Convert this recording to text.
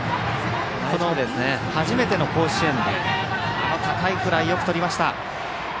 初めての甲子園で高いフライをよくとりました。